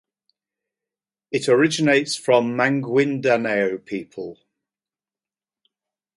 It originates from the Maguindanao people.